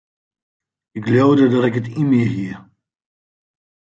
Ik leaude dat ik it yn my hie.